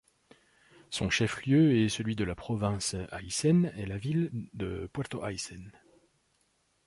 Son chef-lieu et celui de la province Aisén est la ville de Puerto Aysen.